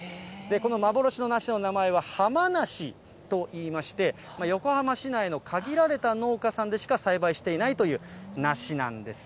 この幻の梨の名前は、浜なしといいまして、横浜市内の限られた農家さんでしか栽培していないという梨なんです。